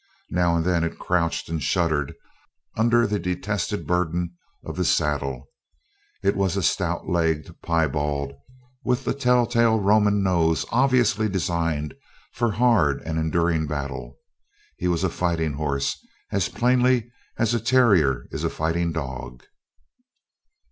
Now and then it crouched and shuddered under the detested burden of the saddle. It was a stout legged piebald with the tell tale Roman nose obviously designed for hard and enduring battle. He was a fighting horse as plainly as a terrier is a fighting dog.